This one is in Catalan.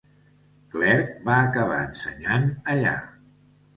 Clerc va acabar ensenyant allà.